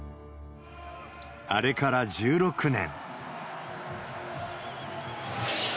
あれから１６年。